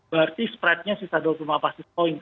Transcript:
berarti spreadnya sisa dua puluh lima basis point